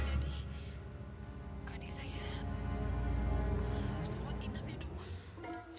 jadi adik saya harus rawat dinam ya dok